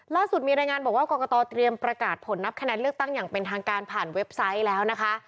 ล่าสุดมีรายงานบอกว่ากรกตเตรียมประกาศผลนับคะแนนเลือกตั้งอย่างเป็นทางการผ่านเว็บไซต์แล้วนะคะ